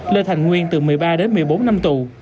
lê thành nguyên từ một mươi ba đến một mươi bốn năm tù